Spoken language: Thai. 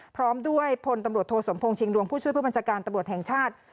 พร้อมด้วยพลตำรวจโทสมพงษิงดวงผู้ช่วยผู้บัญชาการตำรวจแห่งชาติ